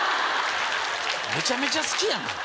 めちゃめちゃ好きやな。